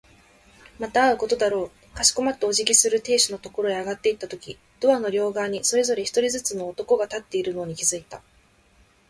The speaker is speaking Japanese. また会うことだろう。かしこまってお辞儀をする亭主のところへ上がっていったとき、ドアの両側にそれぞれ一人ずつの男が立っているのに気づいた。